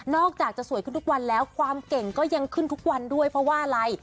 อกจากจะสวยขึ้นทุกวันแล้วความเก่งก็ยังขึ้นทุกวันด้วยเพราะว่าอะไร